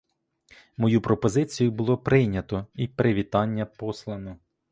Мою пропозицію було прийнято і привітання послано.